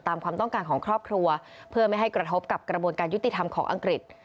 ความต้องการของครอบครัวเพื่อไม่ให้กระทบกับกระบวนการยุติธรรมของอังกฤษ